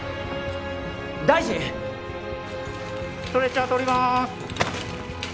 ・ストレッチャー通ります。